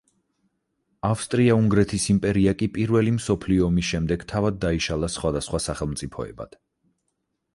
ავსტრია-უნგრეთის იმპერია კი პირველი მსოფლიო ომის შემდეგ თავად დაიშალა სხვადასხვა სახელმწიფოებად.